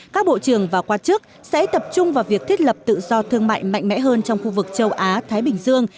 các bộ trưởng và quan chức sẽ tập trung vào việc thiết lập tự do thương mại mạnh mẽ hơn trong khu vực châu á thái bình dương